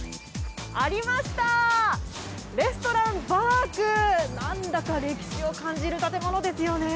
ありました、レストランばーくなんだか歴史を感じる建物ですよね。